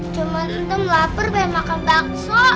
cuman tante melapar bayang makan bakso